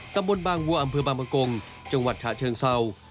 ตำบลบางวัวอำเภอบางประกงจังหวัดฉะเชิงเศร้า